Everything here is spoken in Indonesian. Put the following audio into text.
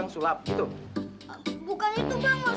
ini saya bayar semuanya